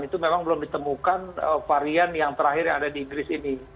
itu memang belum ditemukan varian yang terakhir yang ada di inggris ini